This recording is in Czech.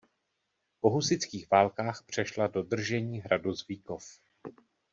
Po husitských válkách přešla do držení hradu Zvíkov.